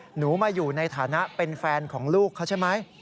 หนูมาอยู่ในฐานะเป็นแฟนของลูกเขาใช่ไหม